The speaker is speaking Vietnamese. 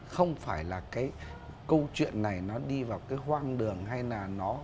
không phải là cái câu chuyện này nó đi vào cái hoang đường hay là nó